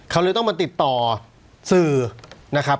เขาเลยต้องมาติดต่อสื่อนะครับ